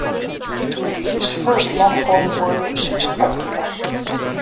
It will be his first long-form work since "Akira".